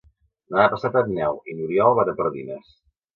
Demà passat en Nel i n'Oriol van a Pardines.